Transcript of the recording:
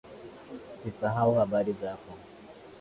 Sisahau habari zako.